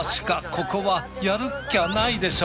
ここはやるっきゃないでしょ。